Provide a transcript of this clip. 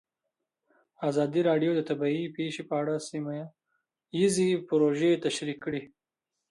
ازادي راډیو د طبیعي پېښې په اړه سیمه ییزې پروژې تشریح کړې.